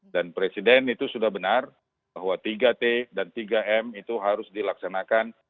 dan presiden itu sudah benar bahwa tiga t dan tiga m itu harus dilaksanakan